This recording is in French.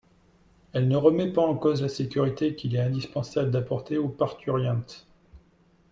Elle ne remet pas en cause la sécurité qu’il est indispensable d’apporter aux parturientes.